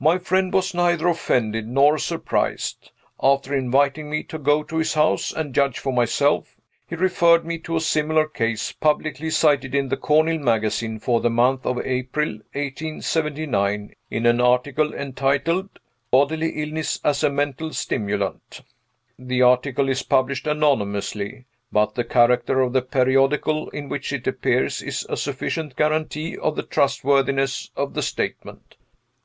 "My friend was neither offended nor surprised. After inviting me to go to his house, and judge for myself, he referred me to a similar case, publicly cited in the 'Cornhill Magazine,' for the month of April, 1879, in an article entitled 'Bodily Illness as a Mental Stimulant.' The article is published anonymously; but the character of the periodical in which it appears is a sufficient guarantee of the trustworthiness of the statement.